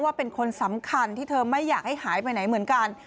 เป็นคนสำคัญที่เธอไม่อยากให้หายไปไหนเหมือนกัน